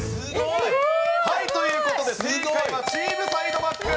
はいという事で正解はＴＥＡＭサイドバック！